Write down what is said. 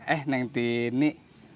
eh neng tini